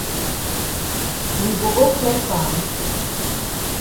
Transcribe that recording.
We go go clear farm?